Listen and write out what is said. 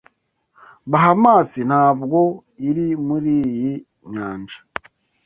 Bahamasi ntabwo iri muri iyi nyanja